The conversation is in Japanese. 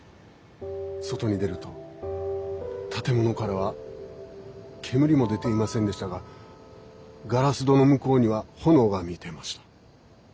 外に出ると建物からは煙も出ていませんでしたがガラス戸の向こうには炎が見えていました。